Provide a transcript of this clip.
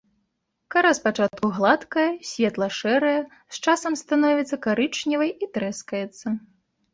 Кара спачатку гладкая, светла-шэрая, з часам становіцца карычневай і трэскаецца.